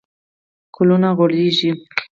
ګلونه غوړیږي